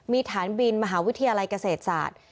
มีฐานบินมหาวิทยาลัยเกษตรศาสตร์